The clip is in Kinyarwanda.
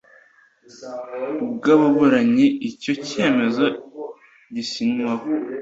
bw ababuranyi Icyo cyemezo gisinywaho